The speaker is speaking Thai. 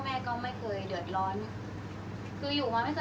อันไหนที่มันไม่จริงแล้วอาจารย์อยากพูด